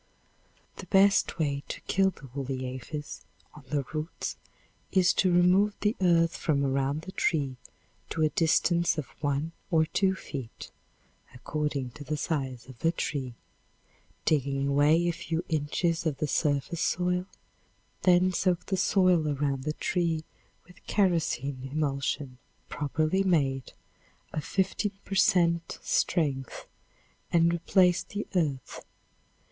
The best way to kill the woolly aphis on the roots is to remove the earth from around the tree to a distance of one or two feet, according to the size of the tree, digging away a few inches of the surface soil, Then soak the soil around the tree with kerosene emulsion, properly made, of 15 per cent strength, and replace the earth.